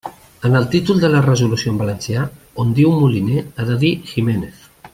En el títol de la resolució en valencià, on diu Moliner, ha de dir Giménez.